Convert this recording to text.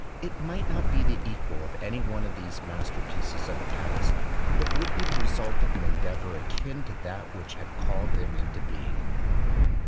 It might not be the equal of any one of these master pieces of the past; but it would be the result of an endeavor akin to that which had called them into being.